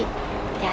diatas aku kan